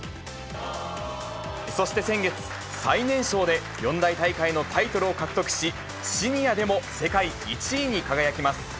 そして先月、最年少で四大大会のタイトルを獲得し、シニアでも世界１位に輝きます。